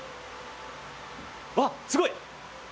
わっすごい！